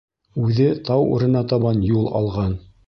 Үҙе тау үренә табан юл алған.